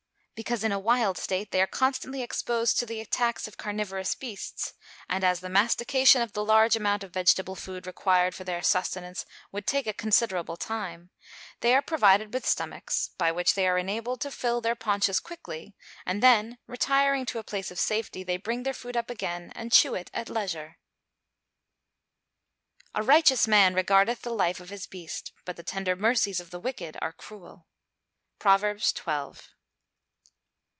Because, in a wild state, they are constantly exposed to the attacks of carnivorous beasts, and as the mastication of the large amount of vegetable food required for their sustenance would take a considerable time, they are provided with stomachs, by which they are enabled to fill their paunches quickly, and then, retiring to a place of safety, they bring their food up again, and chew it at leisure. [Verse: "A righteous man regardeth the life of his beast: but the tender mercies of the wicked are cruel." PROVERBS XII.